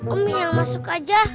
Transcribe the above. om yang masuk aja